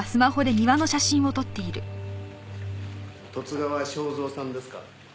十津川省三さんですか？